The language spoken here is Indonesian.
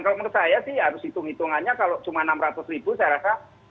kalau menurut saya sih harus hitung hitungannya kalau cuma enam ratus ribu saya rasa